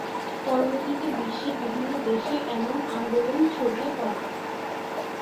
পরবর্তীতে বিশ্বের বিভিন্ন দেশে এমন আন্দোলন ছড়িয়ে পড়ে।